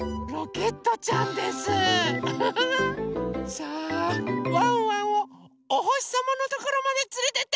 さあワンワンをおほしさまのところまでつれてって！